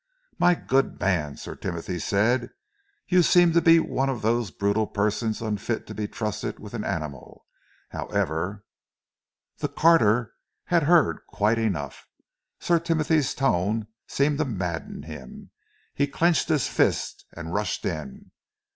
"My good man," Sir Timothy said, "you seem to be one of those brutal persons unfit to be trusted with an animal. However " The carter had heard quite enough. Sir Timothy's tone seemed to madden him. He clenched his fist and rushed in.